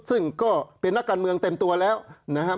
ซึ่งก็เป็นนักการเมืองเต็มตัวแล้วนะครับ